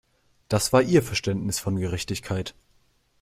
Das war ihr Verständnis von Gerechtigkeit.